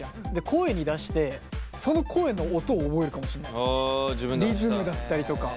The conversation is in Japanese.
声に出してその声の音を覚えるかもしれない。